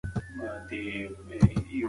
شمال د کور مخې ته وچ بوټي خوځولي وو.